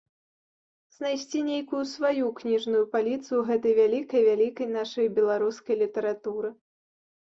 Знайсці нейкую сваю кніжную паліцу ў гэтай вялікай-вялікай нашай беларускай літаратуры.